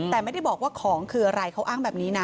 แต่ไม่ได้บอกว่าของคืออะไรเขาอ้างแบบนี้นะ